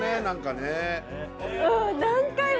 何かね